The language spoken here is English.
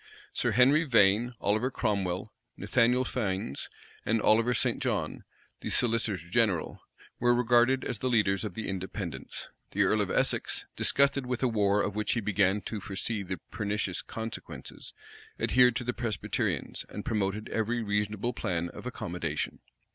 Sir Henry Vane, Oliver Cromwell, Nathaniel Fiennes, and Oliver St. John, the solicitor general, were regarded as the leaders of the Independents. The earl of Essex, disgusted with a war of which he began to foresee the pernicious consequences, adhered to the Presbyterians, and promoted every reasonable plan of accommodation.